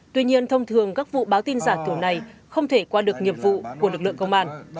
tuy nhiên thông thường các vụ báo tin giả kiểu này không thể qua được nghiệp vụ của lực lượng công an